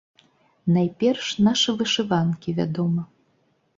Найперш, нашы вышыванкі, вядома.